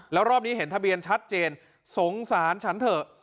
แล้วรอบนี้เห็นทะเบียนชัดเจนสงสารฉันเถอะ